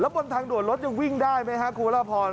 แล้วบนทางด่วนรถจะวิ่งได้ไหมครับครูละพร